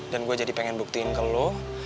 dan gua jadi pengen buktiin ke lu